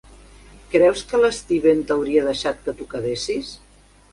Creus que l'Steven t'hauria deixat que t'ho quedessis?